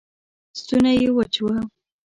ستونی یې وچ و